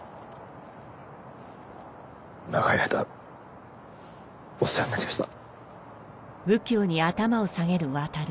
長い間お世話になりました。